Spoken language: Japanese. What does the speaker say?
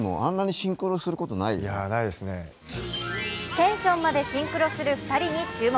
テンションまでシンクロする２人に注目。